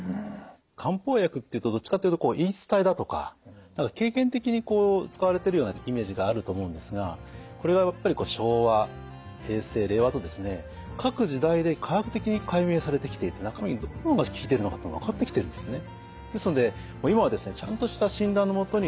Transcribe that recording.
漢方薬っていうとどっちかっていうと言い伝えだとか経験的にこう使われているようなイメージがあると思うんですがこれがやっぱり昭和平成令和とですね各時代で科学的に解明されてきていて中身のどの部分が効いてるのかっていうのが分かってきてるんですね。